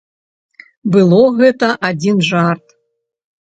Было гэта адзін жарт.